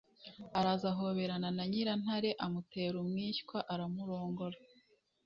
araza ahoberana na nyirantare, amutera umwishywa, aramurongora.